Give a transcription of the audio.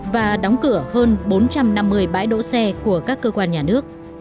và đóng cửa hơn bốn trăm năm mươi bãi đỗ xe của các cơ quan nhà nước